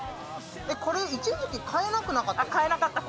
これ、一時期買えなくなかった？